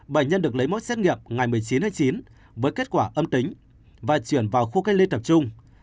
bệnh nhân được lấy mẫu xét nghiệm ngày một mươi chín tháng chín với kết quả âm tính và chuyển vào khu cách ly tập trung